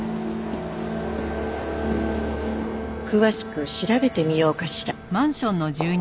詳しく調べてみようかしら。